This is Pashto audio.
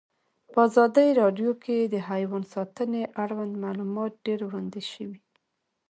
په ازادي راډیو کې د حیوان ساتنه اړوند معلومات ډېر وړاندې شوي.